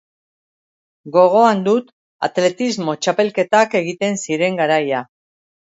Gogoan dut atletismo txapelketak egiten ziren garaia.